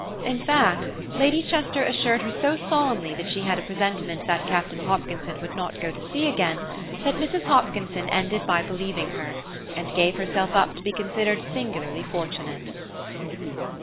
In fact, Lady Chester assured her so solemnly that she had a presentiment that Captain Hopkinson would not go to sea again that Mrs. Hopkinson ended by believing her, and gave herself up to be considered singularly fortunate.